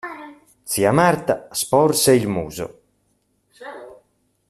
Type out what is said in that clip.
Zia Marta sporse il muso.